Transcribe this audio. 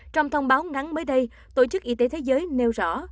trong thông báo ngắn mới đây tổ chức y tế thế giới nêu rõ